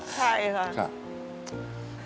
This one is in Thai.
ใช่ค่ะ